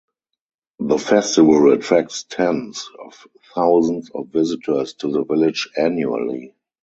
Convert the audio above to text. The festival attracts tens of thousands of visitors to the village annually.